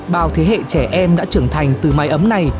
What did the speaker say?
bao thế hệ trẻ em đã trưởng thành từ mái ấm này